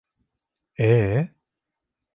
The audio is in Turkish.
Ee...